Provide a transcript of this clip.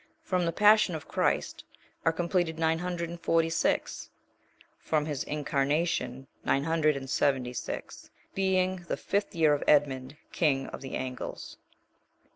From the passion of Christ are completed nine hundred and forty six; from his incarnation, nine hundred and seventy six: being the fifth year of Edmund, king of the Angles.